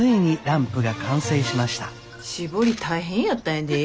絞り大変やったんやで。